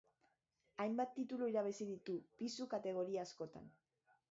Hainbat titulu irabazi ditu, pisu kategoria askotan.